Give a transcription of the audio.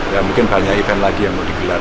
ya mungkin banyak event lagi yang mau digelar